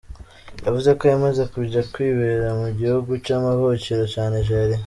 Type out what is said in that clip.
Yavuze ko yamaze kuja kwibera mu gihugu c'amavukiro ca Nigeria.